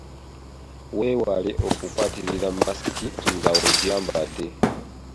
Weewale okukwatirira masiki ng’ogyambadde.